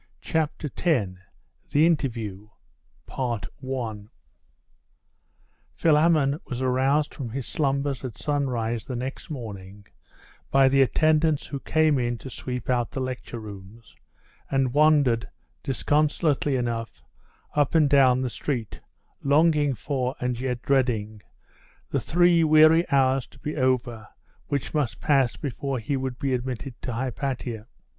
CHAPTER X: THE INTERVIEW Philammon was aroused from his slumbers at sunrise the next morning by the attendants who came in to sweep out the lecture rooms, and wandered, disconsolately enough, up and down the street; longing for, and yet dreading, the three weary hours to be over which must pass before he would be admitted to Hypatia.